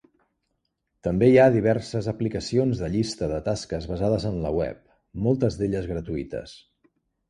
També hi ha diverses aplicacions de llista de tasques basades en la web, moltes d'elles gratuïtes.